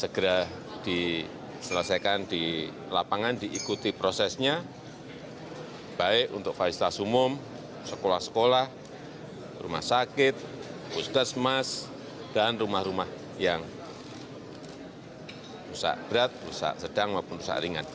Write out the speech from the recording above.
segera diselesaikan di lapangan diikuti prosesnya baik untuk faizitas umum sekolah sekolah rumah sakit pusat semas dan rumah rumah yang pusat berat pusat sedang maupun pusat ringan